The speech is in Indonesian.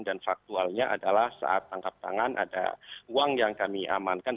dan faktualnya adalah saat tangkap tangan ada uang yang kami amalkan